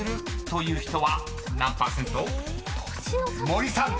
［森さん］